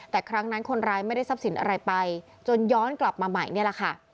แต่ครั้งนั้นคนร้ายไม่ได้ทรัพย์สินอะไรไปจนย้อนกลับมาใหม่นี่แหละค่ะ